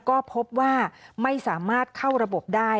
ก็พบว่าไม่สามารถเข้าระบบได้